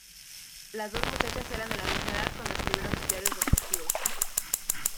Las dos muchachas eran de la misma edad cuando escribieron sus diarios respectivos.